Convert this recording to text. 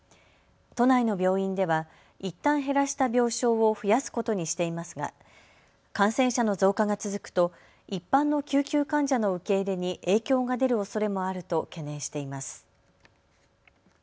都内の病院ではいったん減らした病床を増やすことにしていますが感染者の増加が続くと一般の救急患者の受け入れに影響が出るおそれもあると懸念しています。